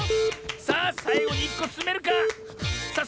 さあさいごに１こつめるか⁉さあ